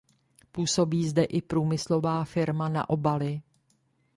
Působí zde i průmyslová firma na obaly.